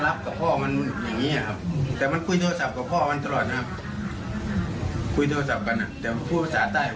หยิ้นนัดเดียวมันก็จะจับผมหลองก็ไม่เอาแล้ว